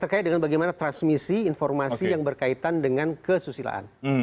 terkait dengan bagaimana transmisi informasi yang berkaitan dengan kesusilaan